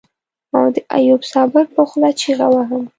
او د ايوب صابر په خوله چيغه وهم.